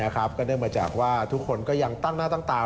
ก็เนื่องมาจากว่าทุกคนก็ยังตั้งหน้าตั้งตา